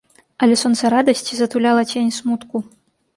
Але сонца радасці затуляла цень смутку.